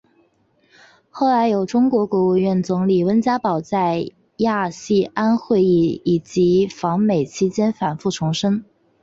后来有中国国务院总理温家宝在亚细安会议以及访美期间反复重申。